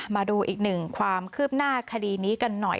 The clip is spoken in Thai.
มาดูอีกหนึ่งความคืบหน้าคดีนี้กันหน่อย